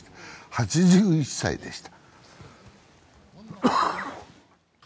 ８１歳でした。